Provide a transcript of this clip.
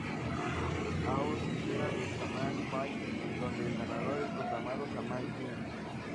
Hao se entera del Shaman Fight, donde el ganador es proclamado Shaman King.